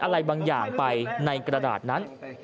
อะไรบางอย่างไปในกระดาษนั้น